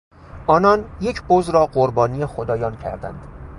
آنان یک بز را قربانی خدایان کردند.